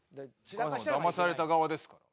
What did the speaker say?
だまされた側ですから。